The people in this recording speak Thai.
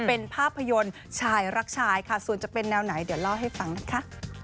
เป็นภาพยนตร์ชายรักชายค่ะส่วนจะเป็นแนวไหนเดี๋ยวเล่าให้ฟังนะคะ